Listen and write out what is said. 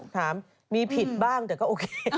ถามมีผิดบ้างแต่ก็โอเค